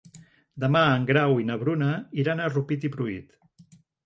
Demà en Grau i na Bruna iran a Rupit i Pruit.